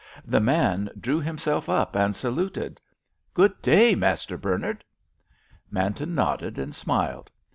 The man drew himself up and saluted. "Good day, Master Bernard." Manton nodded and smiled.